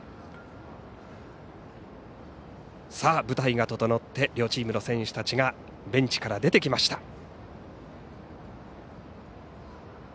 舞台が整って両チームの選手たちがベンチから出てきました。